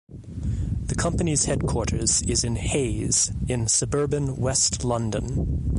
The company's headquarters is in Hayes in suburban West London.